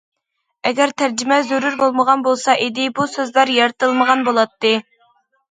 ئەگەر تەرجىمە زۆرۈر بولمىغان بولسا ئىدى، بۇ سۆزلەر يارىتىلمىغان بولاتتى.